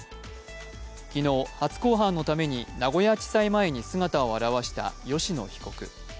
昨日、初公判のために名古屋高裁前に姿を現した吉野被告。